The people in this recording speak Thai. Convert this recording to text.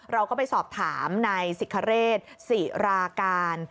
เราก็ไปสอบถามในสิทธิ์ขเรศ๔ราการ